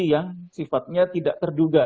yang sifatnya tidak terduga